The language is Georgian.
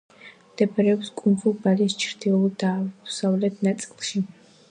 მდებარეობს კუნძულ ბალის ჩრდილო–დაავლეთ ნაწილში.